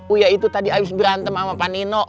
wia itu tadi habis berantem sama pak nino